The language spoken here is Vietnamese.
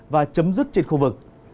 và chấm dứt trên khu vực